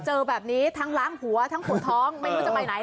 เจอแบบนี้ล้างหัวหัวท้องไม่รู้จะไปไหน